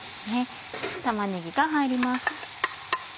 玉ねぎが入ります。